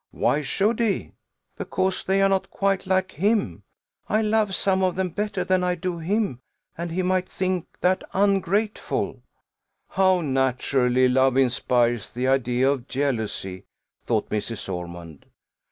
"Why should he?" "Because they are not quite like him. I love some of them better than I do him, and he might think that ungrateful." How naturally love inspires the idea of jealousy, thought Mrs. Ormond.